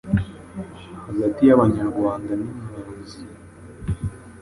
hagati y’abanyarwanda n’impuzi,